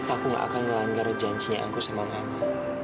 aku gak akan melanggar janjinya aku sama mama